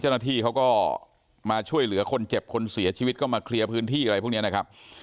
เจ้าหน้าที่เขาก็มาช่วยเหลือคนเจ็บคนเสียชีวิตก็มาเคลียร์พื้นที่อะไรพวกนี้นะครับ